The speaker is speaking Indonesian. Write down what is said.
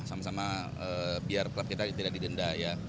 sama sama biar klub kita tidak didenda ya